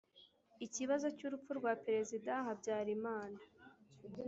ikibazo cy'urupfu rwa Perezida Habyarimana